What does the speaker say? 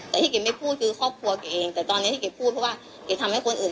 พี่ลองคิดดูสิที่พี่ไปลงกันที่ทุกคนพูด